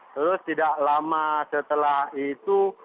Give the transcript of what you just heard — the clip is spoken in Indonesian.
terus tidak lama setelah itu